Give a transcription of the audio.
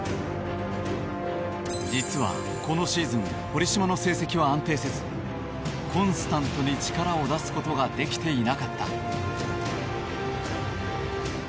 実は、このシーズン堀島の成績は安定せずコンスタントに力を出すことができていなかった。